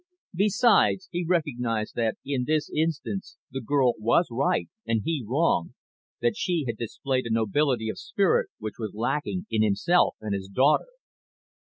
Besides, he recognised that in this instance the girl was right, and he wrong, that she had displayed a nobility of spirit which was lacking in himself and his daughter.